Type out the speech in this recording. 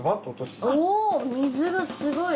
おお水がすごい。